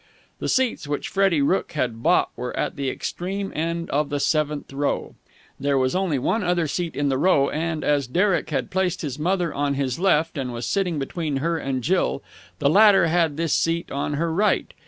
The seats which Freddie Rooke had bought were at the extreme end of the seventh row. There was only one other seat in the row, and, as Derek had placed his mother on his left and was sitting between her and Jill, the latter had this seat on her right.